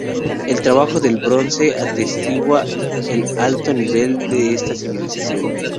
El trabajo del bronce atestigua el alto nivel de esta civilización.